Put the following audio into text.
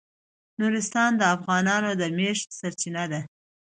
نورستان د افغانانو د معیشت سرچینه ده.